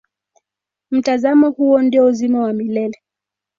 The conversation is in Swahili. Mtazamo huo ndio uzima wa milele.